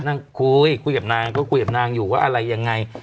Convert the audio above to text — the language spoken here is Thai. นั่งคุยคุยกับนางก็คุยกับนางอยู่ว่าอะไรยังไง